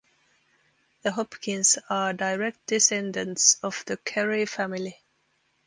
The Hopkins are direct descendents of the Cary family.